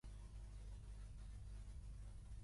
Puges o baixes?